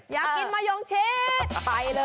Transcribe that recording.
อยากกินมะโยงชิด